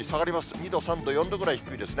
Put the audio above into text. ２度、３度、４度ぐらい低いですね。